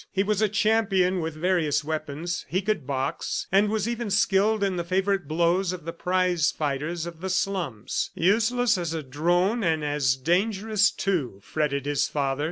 He was a champion with various weapons; he could box, and was even skilled in the favorite blows of the prize fighters of the slums. "Useless as a drone, and as dangerous, too," fretted his father.